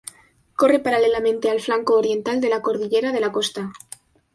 Corre paralelamente al flanco oriental de la cordillera de la Costa.